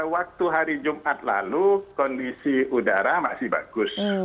waktu hari jumat lalu kondisi udara masih bagus